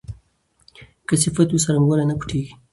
که صفت وي نو څرنګوالی نه پټیږي.